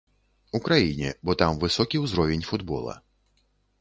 Украіне, бо там высокі ўзровень футбола.